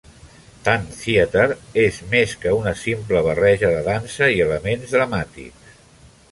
Tanztheater és més que una simple barreja de dansa i elements dramàtics.